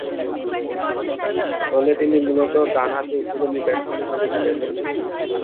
দলে তিনি মূলতঃ ডানহাতি উদ্বোধনী ব্যাটসম্যান হিসেবে খেলেছেন।